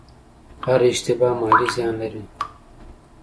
هره اشتباه مالي زیان لري.